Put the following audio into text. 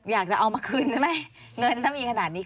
อยากจะเอามาคืนใช่ไหมเงินถ้ามีขนาดนี้